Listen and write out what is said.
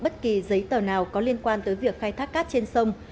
bất kỳ giấy tờ nào có liên quan tới việc khai thác cát trên sông